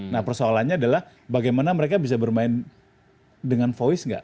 nah persoalannya adalah bagaimana mereka bisa bermain dengan voice nggak